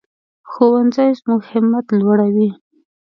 ښوونځی زموږ همت لوړوي